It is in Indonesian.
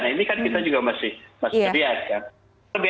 nah ini kan kita juga masih sedia